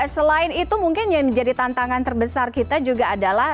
selain itu mungkin yang menjadi tantangan terbesar kita juga adalah